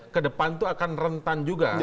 ke depan tuh akan rentan juga